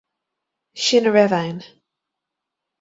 Sin a raibh ann.